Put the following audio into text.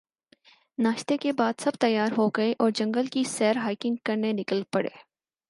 ناشتے کے بعد سب تیار ہو گئے اور جنگل کی سیر ہائیکنگ کرنے نکل پڑے